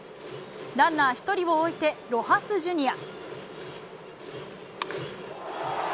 ランナー１人を置いてロハス・ジュニア。